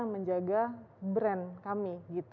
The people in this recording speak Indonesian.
menjaga brand kami